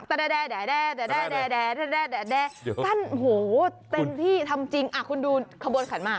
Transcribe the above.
แต่เต็มที่ทำจริงคุณดูขบวนขันมาก